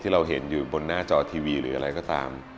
เราเห็นอยู่บนหน้าจอทีวีหรืออะไรก็ตาม